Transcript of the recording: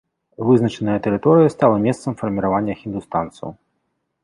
Вызначаная тэрыторыя стала месцам фарміравання хіндустанцаў.